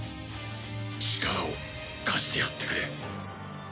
力を貸してやってくれ。